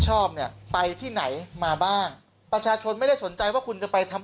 ชอบเนี่ยไปที่ไหนมาบ้างประชาชนไม่ได้สนใจว่าคุณจะไปทำ